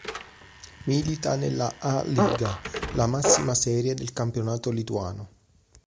Milita nella "A Lyga", la massima serie del campionato lituano.